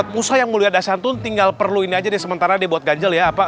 ustaz saya yang mau lihat dasyatun tinggal perlu ini aja deh sementara deh buat ganjel ya